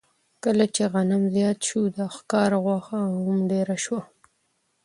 کله چې غنم زیات شو، د ښکار غوښه هم ډېره شوه.